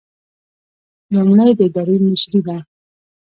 لومړی د ادارې مشري ده.